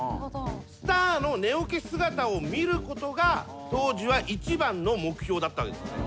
スターの寝起き姿を見ることが当時は一番の目標だったわけですね。